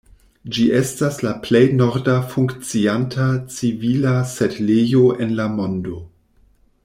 Ĝi estas la plej norda funkcianta civila setlejo en la mondo.